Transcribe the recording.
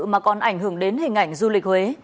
mà còn ảnh hưởng đến hình ảnh du lịch huế